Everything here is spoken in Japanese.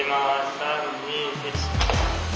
３２１。